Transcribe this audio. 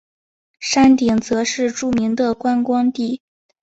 山顶则是著名的观光地。